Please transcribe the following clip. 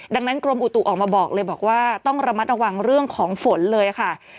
ดังนั้นกรมอุตุออกมาบอกเลยบอกว่าต้องระมัดระวังเรื่องของฝนเลยค่ะ